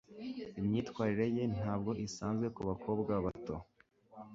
Imyitwarire ye ntabwo isanzwe kubakobwa bato.